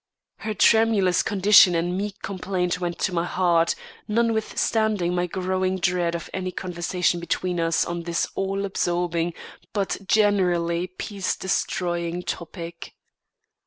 Her tremulous condition and meek complaint went to my heart, notwithstanding my growing dread of any conversation between us on this all absorbing but equally peace destroying topic.